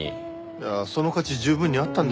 いやあその価値十分にあったんですけどね。